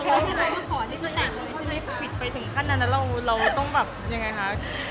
คือบอกเลยว่าเป็นครั้งแรกในชีวิตจิ๊บนะ